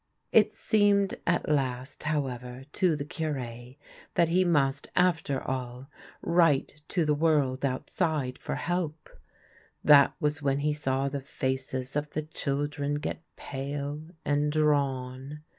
It seemed at last, however, to the Cure that he must, after all, write to the world outside for help. That was when he saw the faces of the children get pale and drawn.